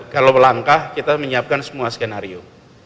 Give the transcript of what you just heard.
kalau langkah kita menyiapkan semua skenario